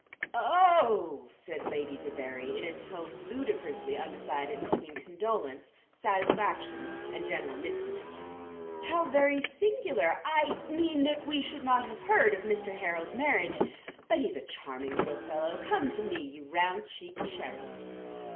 "O o oh!" said Lady Debarry, in a tone ludicrously undecided between condolence, satisfaction, and general mistiness. "How very singular I mean that we should not have heard of Mr. Harold's marriage. But he's a charming little fellow: come to me, you round cheeked cherub."